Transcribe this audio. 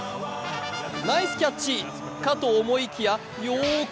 ナイスキャッチかと思いきやよーく